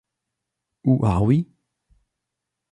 Who Are We?